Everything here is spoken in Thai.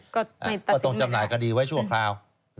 ก็ต้องจำหน่ายคดีไว้ชั่วคราว